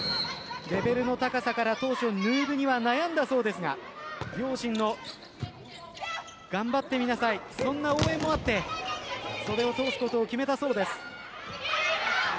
レベルの高さから当初入部には悩んだそうですが両親の頑張ってみなさいそんな応援もあって袖を通すことを決めたそうです。